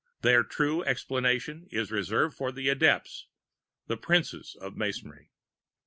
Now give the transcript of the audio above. Their true explication is reserved for the Adepts, the Princes of Masonry.